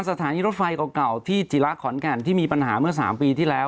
สถานีรถไฟเก่าที่จิระขอนแก่นที่มีปัญหาเมื่อ๓ปีที่แล้ว